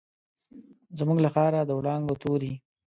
زموږ له ښاره، د وړانګو توري